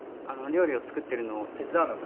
料理を作ってるのを手伝うのが好きで。